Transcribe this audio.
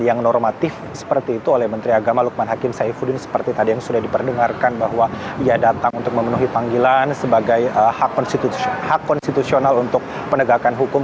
yang normatif seperti itu oleh menteri agama lukman hakim saifuddin seperti tadi yang sudah diperdengarkan bahwa ia datang untuk memenuhi panggilan sebagai hak konstitusional untuk penegakan hukum